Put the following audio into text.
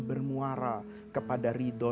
bermuara kepada ridho